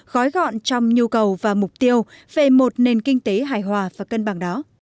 gói gọn trong nhu cầu và mục tiêu về một nền kinh tế hài hòa và cân bằng đó